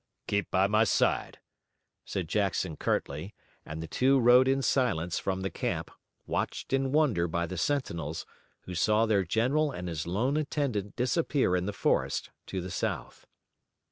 "Keep by my side," said Jackson curtly, and the two rode in silence from the camp, watched in wonder by the sentinels, who saw their general and his lone attendant disappear in the forest to the south.